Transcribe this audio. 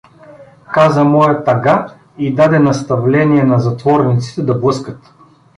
— каза моят ага и даде наставления на затворниците да блъскат.